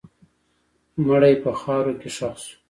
مړی په خاوره کې ښخ شو.